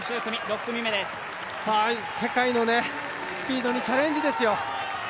世界のスピードにチャレンジですよ。